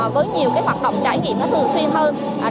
với nhiều hoạt động trải nghiệm thường xuyên hơn